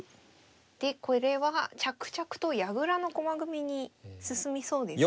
でこれは着々と矢倉の駒組みに進みそうですかね。